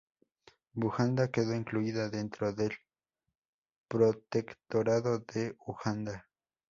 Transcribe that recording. Buganda quedó incluida dentro del protectorado de Uganda.